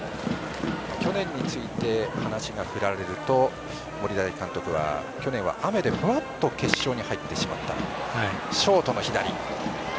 去年について話が振られると森大監督は去年は雨で、ふらっと決勝に入ってしまったと。